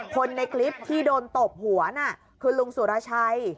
คนในคลิปที่โดนตบหัวน่ะคือลุงสุรชัย